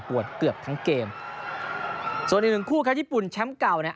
วดเกือบทั้งเกมส่วนอีกหนึ่งคู่ครับญี่ปุ่นแชมป์เก่าเนี่ย